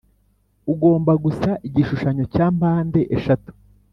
ugomba gusa igishushanyo cya mpande eshatu